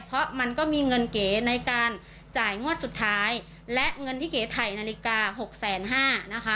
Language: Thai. เพราะมันก็มีเงินเก๋ในการจ่ายงวดสุดท้ายและเงินที่เก๋ถ่ายนาฬิกาหกแสนห้านะคะ